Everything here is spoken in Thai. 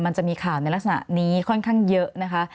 มันจะมีข่าวในลักษณะนี้ค่อนข้างเยอะนะคะ